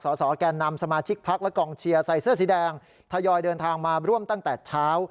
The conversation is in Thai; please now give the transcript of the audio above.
สสแก่นำสมาชิกพักและกองเชียร์ใส่เสื้อสีแดงทยอยเดินทางมาร่วมตั้งแต่เช้า